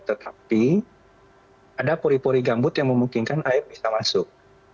tetapi ada pori pori gambut yang memungkinkan air bisa masuk